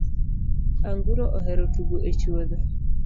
Anguro ohero tugo e chuodho .